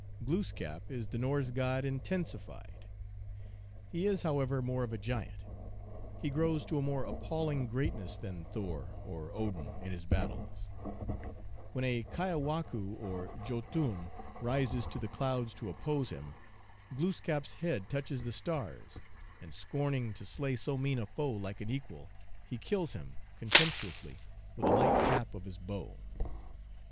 Glooskap is the Norse god intensified. He is, how ever, more of a giant ; he grows to a more appalling greatness than Thor or Odin in his battles ; when a Kiawaqii\ or Jotun, rises to the clouds to oppose him, Glooskap s head touches the stars, and scorning to slay so mean a foe like an equal, he kills him con temptuously with a light tap of his bow.